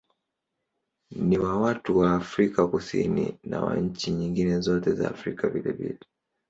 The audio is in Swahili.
Ni wa watu wa Afrika Kusini na wa nchi nyingine zote za Afrika vilevile.